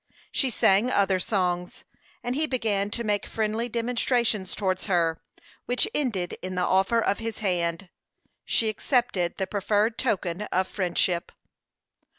She sang other songs, and he began to make friendly demonstrations towards her, which ended in the offer of his hand. She accepted the proffered token of friendship.